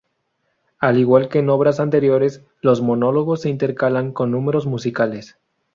Al igual que en obras anteriores, los monólogos se intercalan con números musicales.